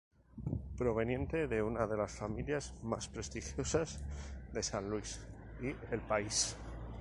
Proveniente de una de las familias más prestigiosas de San Luis y el país.